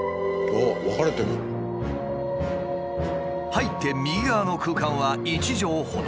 入って右側の空間は１畳ほど。